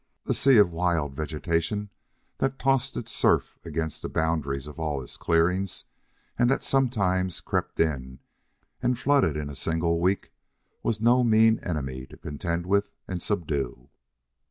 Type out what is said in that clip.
The sea of wild vegetation that tossed its surf against the boundaries of all his clearings and that sometimes crept in and flooded in a single week was no mean enemy to contend with and subdue.